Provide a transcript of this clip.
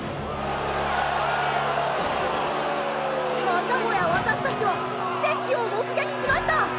またもや私達は奇跡を目撃しました！